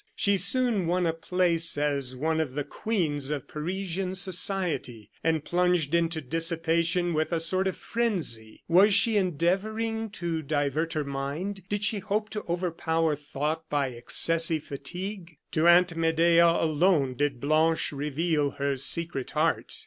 She soon won a place as one of the queens of Parisian society; and plunged into dissipation with a sort of frenzy. Was she endeavoring to divert her mind? Did she hope to overpower thought by excessive fatigue? To Aunt Medea alone did Blanche reveal her secret heart.